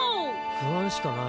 不安しかない。